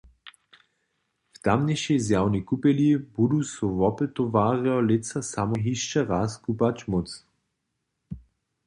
W tamnišej zjawnej kupjeli budu so wopytowarjo lětsa samo hišće raz kupać móc.